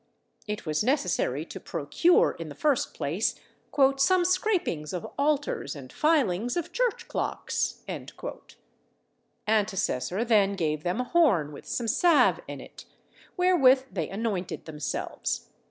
It was necessary to procure, in the first place, "some scrapings of altars and filings of church clocks." Antecessor then gave them a horn with some salve in it, wherewith they anointed themselves.